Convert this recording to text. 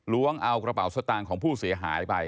เอากระเป๋าสตางค์ของผู้เสียหายไป